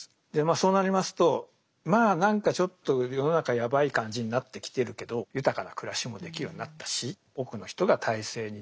そうなりますとまあ何かちょっと世の中ヤバい感じになってきてるけど豊かな暮らしもできるようになったし多くの人が体制に順応し始めます。